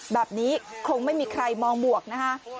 แบบนี้คงไม่มีใครมองบวกนะคะ